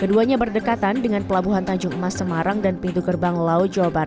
keduanya berdekatan dengan pelabuhan tanjung emas semarang dan pintu gerbang laut jawa barat